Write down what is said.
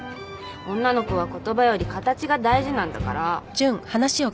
女の子は言葉より形が大事なんだから。